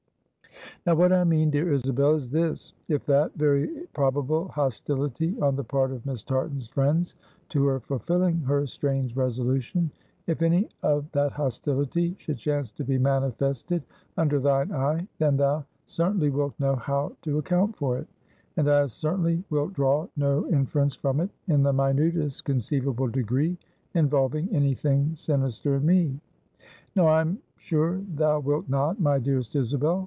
"Now what I mean, dear Isabel, is this: if that very probable hostility on the part of Miss Tartan's friends to her fulfilling her strange resolution if any of that hostility should chance to be manifested under thine eye, then thou certainly wilt know how to account for it; and as certainly wilt draw no inference from it in the minutest conceivable degree involving any thing sinister in me. No, I am sure thou wilt not, my dearest Isabel.